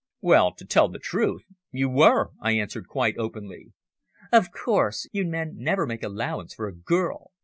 "Well, to tell the truth, you were," I answered quite openly. "Of course. You men never make allowance for a girl.